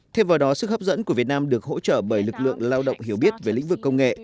thêm vào đó sức hấp dẫn của việt nam được hỗ trợ bởi lực lượng lao động hiểu biết về lĩnh vực công nghệ